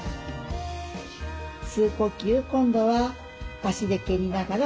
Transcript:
吸う呼吸今度は足で蹴りながら骨盤前傾。